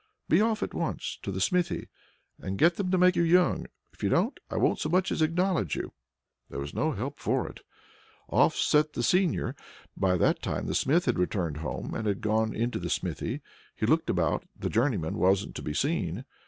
Be off at once to the smithy, and get them to make you young; if you don't, I won't so much as acknowledge you!" There was no help for it; off set the seigneur. But by that time the Smith had returned home, and had gone into the smithy. He looked about; the journeyman wasn't to be seen.